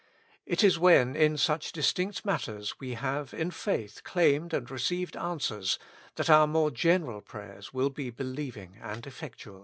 It is when in such distinct matters we have in faith claimed and received answers, that our more general prayers will be be lieving and effectual.